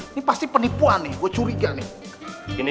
ini pasti penipuan nih gue curiga nih